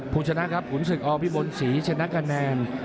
ผู้ชนะครับขุนศึกอพี่บนศรีชนะกันแนน